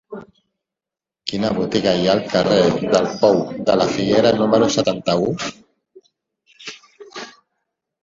Quina botiga hi ha al carrer del Pou de la Figuera número setanta-u?